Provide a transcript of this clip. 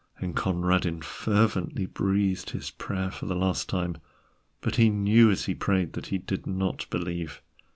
And Conradin fervently breathed his prayer for the last time. But he knew as he prayed that he did not believe.